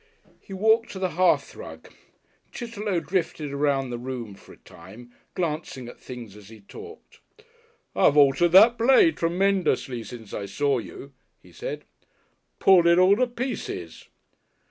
He walked to the hearthrug. Chitterlow drifted around the room for a time, glancing at things as he talked. "I've altered that play tremendously since I saw you," he said. "Pulled it all to pieces."